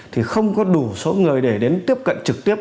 thì không có đủ số người để đến tiếp cận trực tiếp